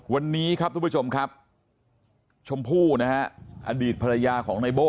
วันนี้ครับทุกผู้ชมครับชมพู่นะฮะอดีตภรรยาของในโบ้